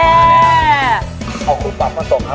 เอาครูปรับมาส่งครับ